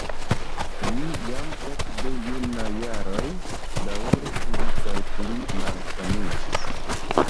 Li jam ekde junaj jaroj daŭre pli kaj pli malsaniĝis.